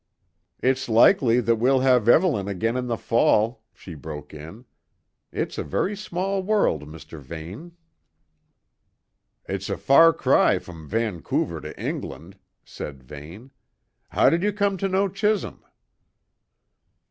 "It's likely that we'll have Evelyn again in the fall," she broke in. "It's a very small world, Mr. Vane." "It's a far cry from Vancouver to England," said Vane. "How did you come to know Chisholm?"